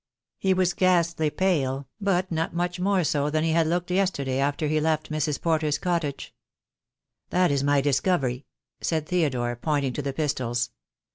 He was ghastly pale, but not much more so than he had looked yesterday after he left Mrs. Porter's cottage. "That is my discovery," said Theodore, pointing to the pistols.